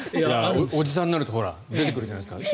おじさんになると出てくるじゃないですか。